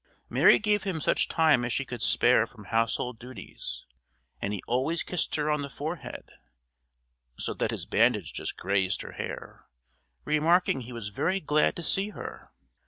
Mary gave him such time as she could spare from household duties, and he always kissed her on the forehead (so that his bandage just grazed her hair), remarking he was very glad to see her.